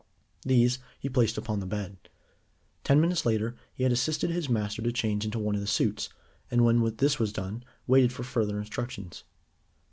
These he placed upon the bed. Ten minutes later he had assisted his master to change into one of the suits, and when this was done waited for further instructions.